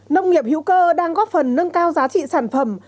nông nghiệp hữu cơ đang góp phần nâng cao giá trị sản phẩm